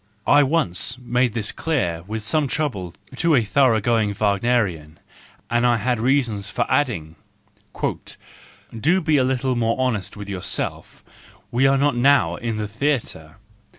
—I once made this clear with some trouble to a thorough¬ going Wagnerian, and I had reasons for adding:— " Do be a little more honest with yourself: we are not now in the theatre.